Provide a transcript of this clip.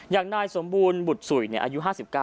อย่างนายสมบูรณ์บุตรสุยอายุ๕๙